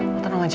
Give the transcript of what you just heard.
lo tenang aja